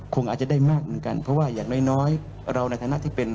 คงอาจจะได้มากเหมือนกันเพราะว่าอย่างน้อยเราในฐานะที่เป็น